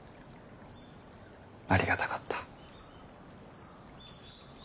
ありがたかった。